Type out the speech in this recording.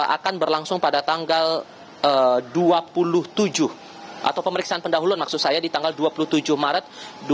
akan berlangsung pada tanggal dua puluh tujuh atau pemeriksaan pendahuluan maksud saya di tanggal dua puluh tujuh maret dua ribu dua puluh